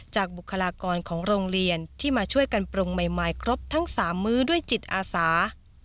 บุคลากรของโรงเรียนที่มาช่วยกันปรุงใหม่ครบทั้ง๓มื้อด้วยจิตอาสา